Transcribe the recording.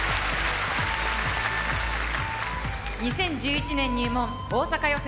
２０１６年入門東京予選